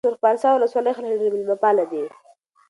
د پروان د سرخ پارسا ولسوالۍ خلک ډېر مېلمه پاله دي.